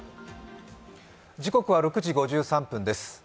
時刻は６時５３分です。